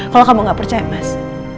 kalau kamu gak percaya mas